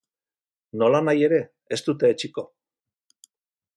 Nolanahi ere, ez dute etsiko.